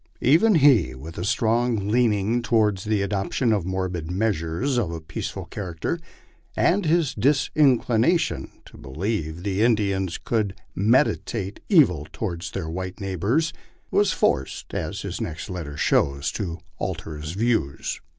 Even he, with his strong leaning toward the adop tion of morbid measures of a peaceful character, and his disinclination to be lieve the Indians could meditate evil toward their white neighbors, was forced, as his next letter shows, to alter his views.